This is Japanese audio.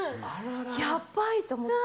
やばいと思って。